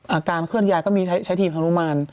เคลื่อนย้ายก็มีใช้ทีมฮานุมาน